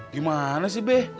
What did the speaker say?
gimana sih be